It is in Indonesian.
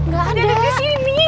dia ada disini